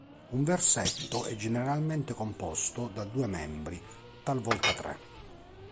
Un versetto è generalmente composto da due membri, talvolta tre.